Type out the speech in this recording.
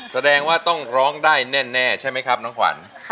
แสดงว่าต้องร้องได้แน่ใช่ไหมครับน้องขวัญ